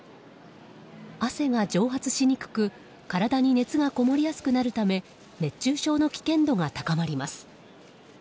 汗が蒸発しにくく、体に熱がこもりやすくなるため熱中症の危険度が高まります。